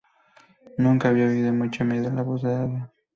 Nunca había oído mucho miedo en la voz de alguien.